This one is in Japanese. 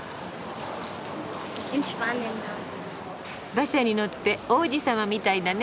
馬車に乗って王子様みたいだね。